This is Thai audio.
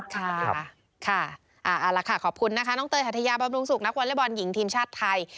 ค่ะค่ะเอาล่ะค่ะขอบคุณนะคะน้องเตยหัทยาบำรุงสุขนักวอเล็กบอลหญิงทีมชาติไทย